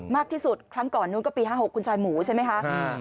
มากที่สุดครั้งก่อนนู้นก็ปี๕๖คุณชายหมูใช่ไหมคะ